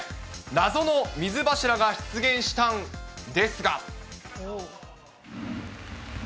謎の水柱が出現したんですが。